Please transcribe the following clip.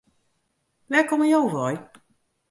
Wêr komme jo wei?